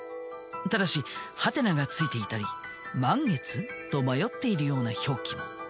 ただしハテナがついていたり「満月？」と迷っているような表記も。